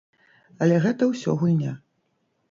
Але гэта ўсё гульня.